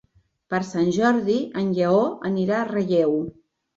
Per Sant Jordi en Lleó anirà a Relleu.